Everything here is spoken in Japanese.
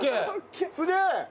すげえ！